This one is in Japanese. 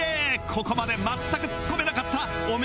ここまで全くツッコめなかった汚名